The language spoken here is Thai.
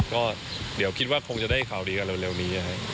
ก็เดี๋ยวคิดว่าคงจะได้ข่าวดีกันเร็วนี้นะครับ